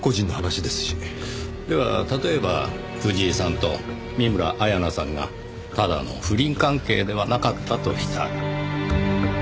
では例えば藤井さんと見村彩那さんがただの不倫関係ではなかったとしたら？